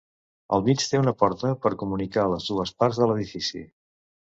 Al mig té una porta per comunicar les dues parts de l'edifici.